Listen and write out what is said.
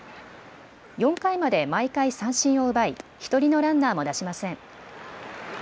４回まで毎回三振を奪い、１人のランナーも出しません。